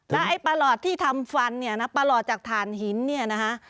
แต่ไอ้ปลอดที่ทำฟันเนี่ยนะปลอดจากฐานหินเนี่ยนะคะ